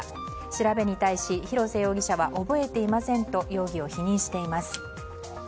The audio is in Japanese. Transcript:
調べに対し、広瀬容疑者は覚えていませんと容疑を否認しています。